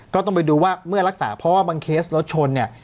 ก็ต้องไปดูว่าเมื่อรักษาเพราะว่าบางเคสรถชนเนี่ย